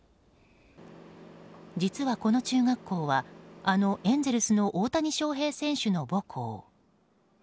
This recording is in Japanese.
実は、この中学校はあのエンゼルスの大谷翔平選手の母校。